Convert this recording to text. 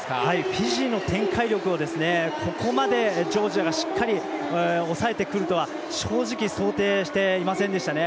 フィジーの展開力をここまでジョージアがしっかり抑えてくるとは正直、想定していませんでしたね。